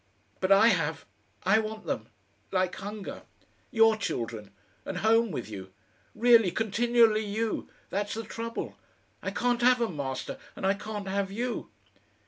But I have.... I want them like hunger. YOUR children, and home with you. Really, continually you! That's the trouble.... I can't have 'em, Master, and I can't have you."